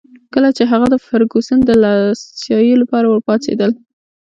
کله چي هغه د فرګوسن د دلاسايي لپاره ورپاڅېدل.